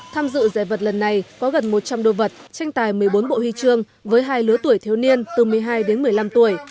tham dự giải vật lần này có gần một trăm linh đồ vật tranh tài một mươi bốn bộ huy chương với hai lứa tuổi thiếu niên từ một mươi hai đến một mươi năm tuổi